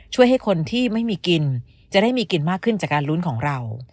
ช่วยให้คนที่ไม่มีกินจะได้มีกินมากขึ้นจากการลุ้นของเรา